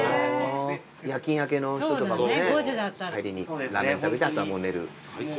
夜勤明けの人とかもね帰りにラーメン食べてあとはもう寝る。